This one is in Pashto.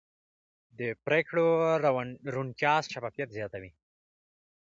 د پرېکړو روڼتیا شفافیت زیاتوي